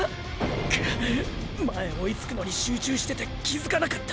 く前追いつくのに集中してて気づかなかった！